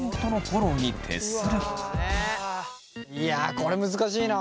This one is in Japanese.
いやこれ難しいな。